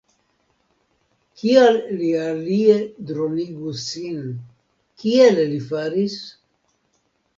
Kial li alie dronigus sin, kiel li faris?